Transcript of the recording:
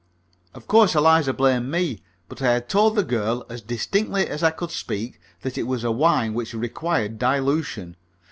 Of course Eliza blamed me, but I had told the girl as distinctly as I could speak that it was a wine which required dilution.